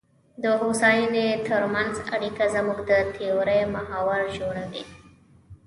د هوساینې ترمنځ اړیکه زموږ د تیورۍ محور جوړوي.